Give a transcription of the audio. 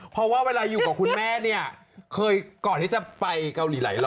เพราะว่าเวลาอยู่กับคุณแม่เนี่ยเคยก่อนที่จะไปเกาหลีหลายหรอ